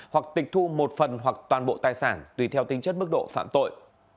hoặc tịch thu một phần hoặc toàn bộ tài sản tùy theo tính chất mức độ phạm tội